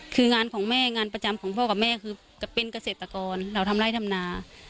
คืองานของแม่งานประจำของพ่อกับแม่คือจะเป็นเกษตรกรเราทำไร่ทำนา